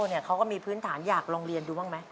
เขาก็มีพื้นฐานอยากลองเรียนดูบ้างไหม